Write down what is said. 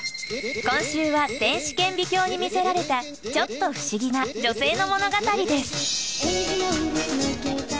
今週は電子顕微鏡に魅せられたちょっと不思議な女性の物語です。